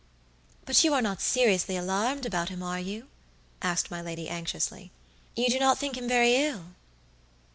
"But you are not seriously alarmed about him, are you?" asked my lady, anxiously. "You do not think him very ill?"